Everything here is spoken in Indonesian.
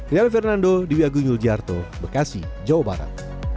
riame fernando diwiagu nyuljiarto bekasi jawa barat